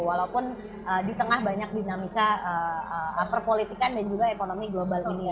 walaupun di tengah banyak dinamika perpolitikan dan juga ekonomi global ini ya